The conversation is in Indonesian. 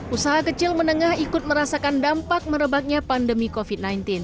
usaha kecil menengah ikut merasakan dampak merebaknya pandemi covid sembilan belas